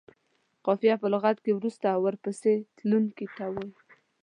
قافیه په لغت کې وروسته او ورپسې تلونکي ته وايي.